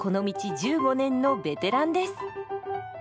１５年のベテランです。